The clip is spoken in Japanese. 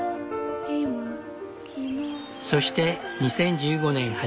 そして２０１５年８月。